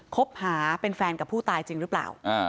คบหาเป็นแฟนกับผู้ตายจริงหรือเปล่า